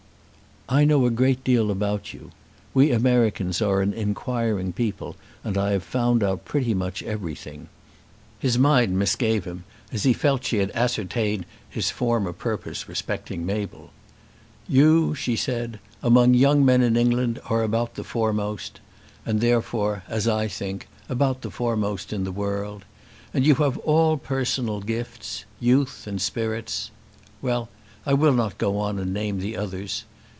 "I know a great deal about you. We Americans are an inquiring people, and I have found out pretty much everything." His mind misgave him as he felt she had ascertained his former purpose respecting Mabel. "You," she said, "among young men in England are about the foremost, and therefore, as I think, about the foremost in the world. And you have all personal gifts; youth and spirits Well, I will not go on and name the others.